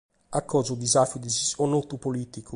Acò su disafiu de s’isconnotu polìticu.